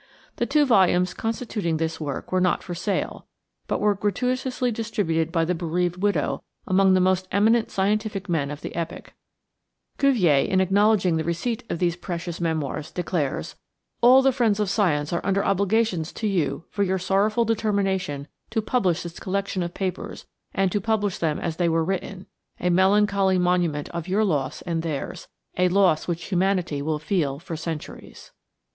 The two volumes constituting this work were not for sale, but were gratuitously distributed by the bereaved widow among the most eminent scientific men of the epoch. Cuvier, in acknowledging the receipt of these precious memoirs, declares: "All the friends of science are under obligations to you for your sorrowful determination to publish this collection of papers and to publish them as they were written a melancholy monument of your loss and theirs a loss which humanity will feel for centuries."